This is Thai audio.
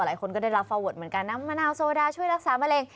หลายคนก็ได้รับฟาเวิร์ดเหมือนกันน้ำมะนาวโซดาช่วยรักษามะเร็ง